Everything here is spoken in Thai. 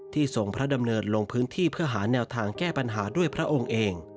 ทรงพระดำเนินลงพื้นที่เพื่อหาแนวทางแก้ปัญหาด้วยพระองค์เอง